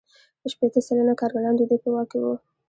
شپیته سلنه کارګران د دوی په واک کې وو